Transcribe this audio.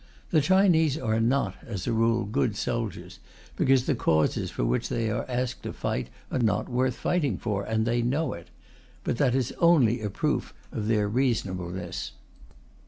The Chinese are not, as a rule, good soldiers, because the causes for which they are asked to fight are not worth fighting for, and they know it. But that is only a proof of their reasonableness.